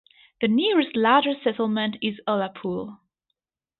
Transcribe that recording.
The nearest larger settlement is Ullapool.